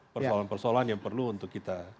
persoalan persoalan yang perlu untuk kita